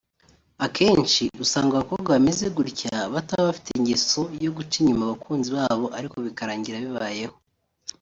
Akenshi usanga abakobwa bameze gutya bataba bafite ingeso yo guca inyuma abakunzi babo ariko bikarangira bibayeho